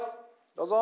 どうぞ！